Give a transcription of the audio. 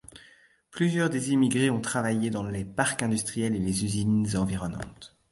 Plusieurs des immigrés ont travaillé dans les parcs industriels et les usines environnantes.